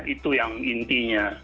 itu yang intinya